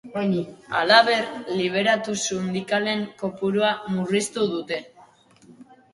Halaber, liberatu sindikalen kopurua murriztu dute.